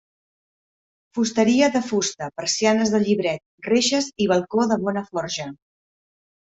Fusteria de fusta, persianes de llibret, reixes i balcó de bona forja.